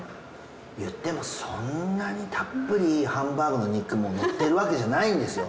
言ってもそんなにたっぷりハンバーグの肉ものってるわけじゃないんですよ？